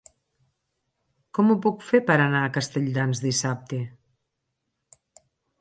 Com ho puc fer per anar a Castelldans dissabte?